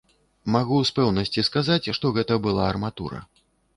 Магу з пэўнасці сказаць, што гэта была арматура.